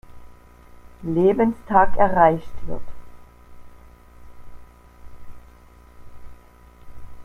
Lebenstag erreicht wird.